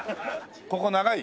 ここ長い？